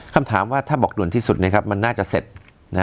คำถามว่าถ้าบอกด่วนที่สุดนี้น่าจะเสร็จ